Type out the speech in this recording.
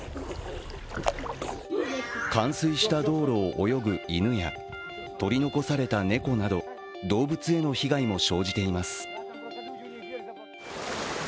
冠水した道路を泳ぐ犬や取り残された猫など動物への被害も生じています。